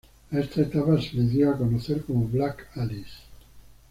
A esta etapa se le dio a conocer como "Black Alice".